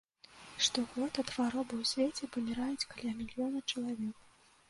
Штогод ад хваробы ў свеце паміраюць каля мільёна чалавек.